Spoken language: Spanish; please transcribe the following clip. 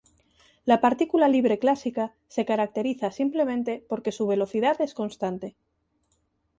La partícula libre clásica se caracteriza simplemente porque su velocidad es constante.